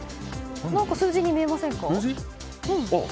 数字に見えませんか？